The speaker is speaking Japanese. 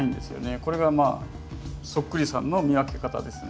これがそっくりさんの見分け方ですね。